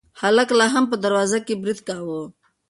هلک لا هم په دروازه برید کاوه.